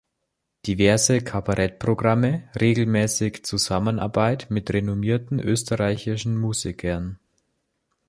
Diverse Kabarettprogramme, regelmäßig Zusammenarbeit mit renommierten österreichischen Musikern.